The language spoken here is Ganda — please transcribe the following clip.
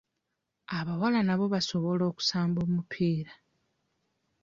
Abawala nabo basobola okusamba omupiira.